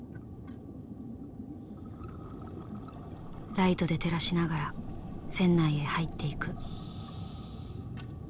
ライトで照らしながら船内へ入っていく。